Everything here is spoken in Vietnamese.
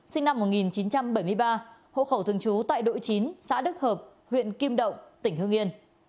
sinh năm một nghìn chín trăm bảy mươi ba hộ khẩu thường trú tại đội chín xã đức hợp huyện kim động tỉnh hương yên